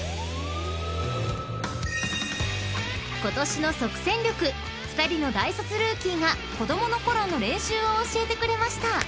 ［今年の即戦力２人の大卒ルーキーが子供のころの練習を教えてくれました］